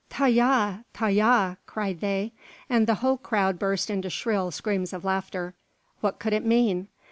"Ta yah! Ta yah!" cried they, and the whole crowd burst into shrill screams of laughter. What could it mean?